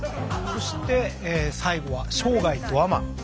そして最後は生涯ドアマン。